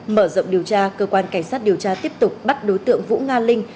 mở rộng điều tra cơ quan cảnh sát điều tra tiếp tục bắt đối tượng vũ nga linh